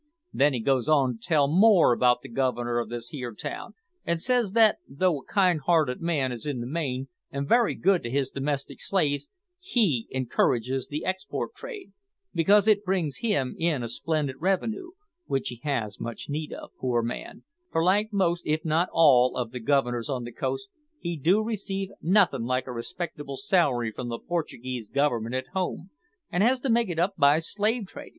Then he goes on to tell me more about the Governor of this here town, an' says that, though a kind hearted man in the main, and very good to his domestic slaves, he encourages the export trade, because it brings him in a splendid revenue, which he has much need of, poor man, for like most, if not all, of the Governors on the coast, he do receive nothin' like a respectible salary from the Portuguese Government at home, and has to make it up by slave tradin'."